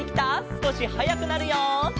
すこしはやくなるよ。